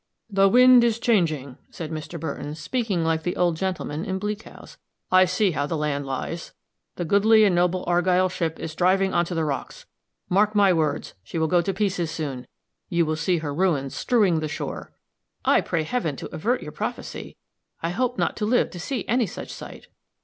"The wind is changing," said Mr. Burton, speaking like the old gentleman in Bleak House. "I see how the land lies. The goodly and noble Argyll ship is driving on to the rocks. Mark my words, she will go to pieces soon! you will see her ruins strewing the shore." "I pray heaven to avert your prophecy. I hope not to live to see any such sight."